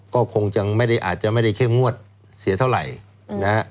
ก็อาจจะไม่ได้เข้มงวดเสียเท่าไหร่